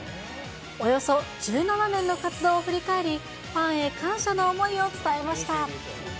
およそ１７年の活動を振り返り、ファンへ感謝の思いを伝えました。